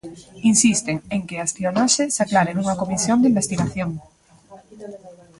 Insisten en que a espionaxe se aclare nunha comisión de investigación.